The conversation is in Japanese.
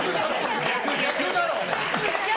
逆だろ！